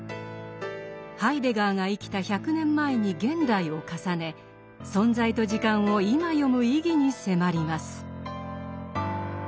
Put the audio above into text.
ハイデガーが生きた１００年前に現代を重ね「存在と時間」を今読む意義に迫ります。